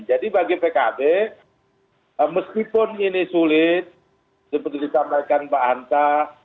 jadi bagi pkb meskipun ini sulit seperti ditambahkan pak hanta